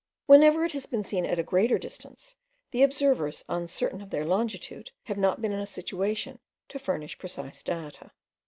Whenever it has been seen at a greater distance, the observers, uncertain of their longitude, have not been in a situation to furnish precise data.